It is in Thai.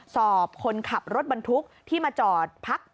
สอบคนขับรถบรรทุกที่มาจอดพัก